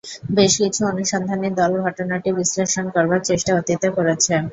বেশ কিছু অনুসন্ধানী দল ঘটনাটি বিশ্লেষণ করবার চেষ্টা অতীতে করেছে।